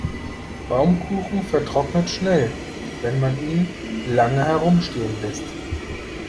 Baumkuchen vertrocknet schnell, wenn man ihn lange herumstehen lässt.